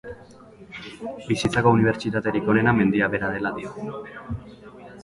Bizitzako unibertsitaterik onena mendia bera dela dio.